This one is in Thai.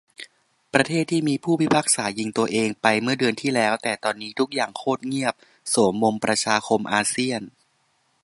ประเทศที่มี ผู้พิพากษายิงตัวเอง ไปเมื่อเดือนที่แล้ว แต่ตอนนี้ทุกอย่างโคตรเงียบ โสมมประชาคมอาเซียน